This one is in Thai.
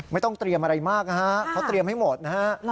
ไม่ต้องเตรียมอะไรมากนะฮะเขาเตรียมให้หมดนะฮะ